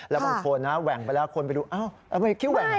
แล้วบางคนแหว่งไปแล้วคนไปดูเอ้าคิ้วแหว่ง